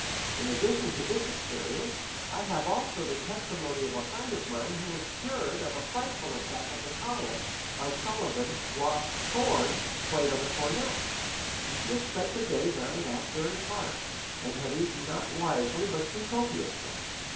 In addition to this experience, I have also the testimony of a friend of mine who was cured of a frightful attack of the colic by Sullivan's 'Lost Chord,' played on a cornet. He had spent the day down at Asbury Park, and had eaten not wisely but too copiously.